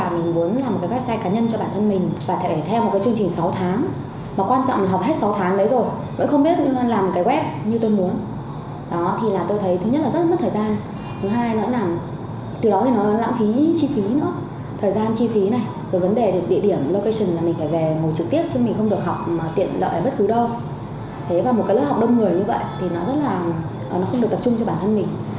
một cái lớp học đông người như vậy thì nó rất là nó không được tập trung cho bản thân mình